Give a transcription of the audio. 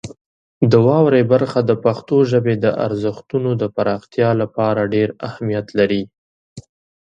د واورئ برخه د پښتو ژبې د ارزښتونو د پراختیا لپاره ډېر اهمیت لري.